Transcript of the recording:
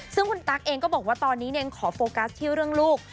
ซึ่งคุณตั๊กเองก็บอกว่าตอนนี้เองขอโฟกัสที่เรื่องลูก